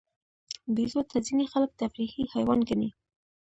بیزو ته ځینې خلک تفریحي حیوان ګڼي.